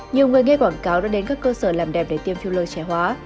nhiều người nghe quảng cáo đã đến các cơ sở làm đẹp để tiêm filler trẻ hóa